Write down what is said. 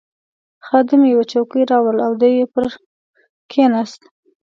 خادم یوه چوکۍ راوړل او دی پرې کښېناست.